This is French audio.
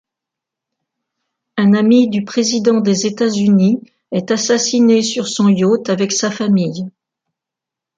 Un ami du Président des États-Unis est assassiné sur son yacht avec sa famille.